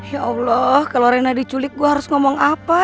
ya allah kalau rena diculik gue harus ngomong apa